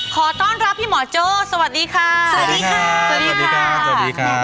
ขอต้อนรับพี่หมอโจ้สวัสดีค่ะสวัสดีค่ะสวัสดีค่ะสวัสดีค่ะ